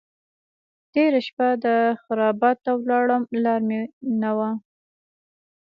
تېره شپه خرابات ته ولاړم لار مې نه وه.